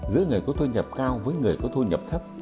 giữa người có thu nhập cao với người có thu nhập thấp